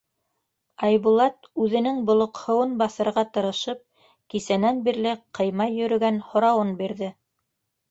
Айбулат, үҙенең болоҡһоуын баҫырға тырышып, кисәнән бирле ҡыймай йөрөгән һорауын бирҙе: